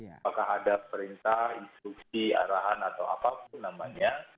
apakah ada perintah instruksi arahan atau apapun namanya